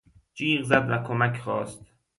جیغ زد و کمک خواست.